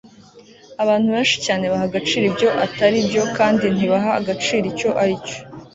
abantu benshi cyane baha agaciro ibyo atari byo kandi ntibaha agaciro icyo ari cyo